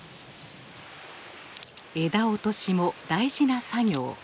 枝落としも大事な作業。